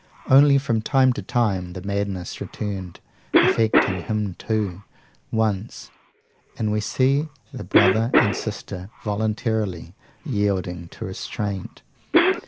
Only, from time to time, the madness returned, affecting him too, once; and we see the brother and sister voluntarily yielding to restraint.